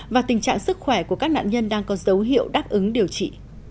và tình trạng sức khỏe của các nạn nhân đang có dấu hiệu đáp ứng điều trị